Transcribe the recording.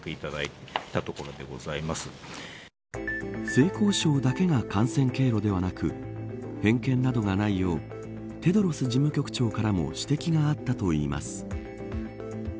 性交渉だけが感染経路ではなく偏見などがないようテドロス事務局長からも指摘があったといいます。